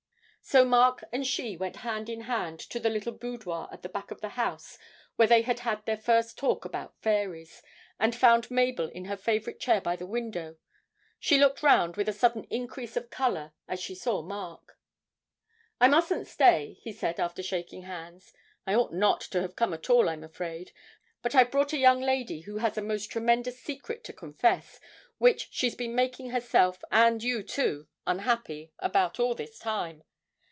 So Mark and she went hand in hand to the little boudoir at the back of the house where they had had their first talk about fairies, and found Mabel in her favourite chair by the window; she looked round with a sudden increase of colour as she saw Mark. 'I mustn't stay,' he said, after shaking hands. 'I ought not to come at all, I'm afraid, but I've brought a young lady who has a most tremendous secret to confess, which she's been making herself, and you too, unhappy about all this time.